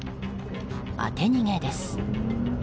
当て逃げです。